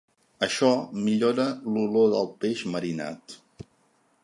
Això millora l'olor del peix marinat.